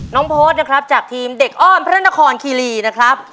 โพสต์นะครับจากทีมเด็กอ้อนพระนครคีรีนะครับ